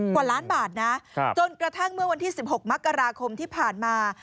กว่าล้านบาทนะจนกระทั่งเมื่อวันที่๑๖มกราคมที่ผ่านมา